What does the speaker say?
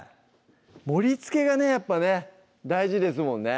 盛りつけがねやっぱね大事ですもんね